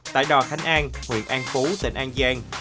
tại đò khánh an huyện an phú tỉnh an giang